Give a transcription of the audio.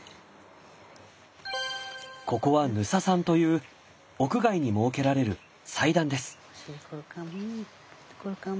ここは「ヌササン」という屋外に設けられる祭壇です。